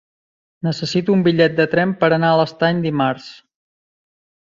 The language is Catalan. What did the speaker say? Necessito un bitllet de tren per anar a l'Estany dimarts.